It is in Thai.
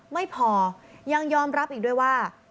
ไม่พอยังยอมรับอีกด้วยว่า